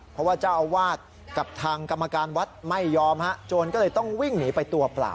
เพราะว่าเจ้าอาวาสกับทางกรรมการวัดไม่ยอมฮะโจรก็เลยต้องวิ่งหนีไปตัวเปล่า